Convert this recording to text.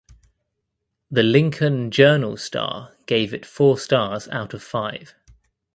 The "Lincoln Journal Star" gave it four stars out of five.